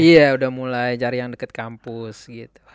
iya udah mulai cari yang deket kampus gitu